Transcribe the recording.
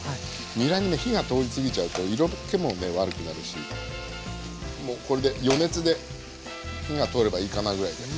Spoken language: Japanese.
にらにね火が通り過ぎちゃうと色けもね悪くなるしもうこれで余熱で火が通ればいいかなぐらいで。